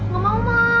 gak mau ma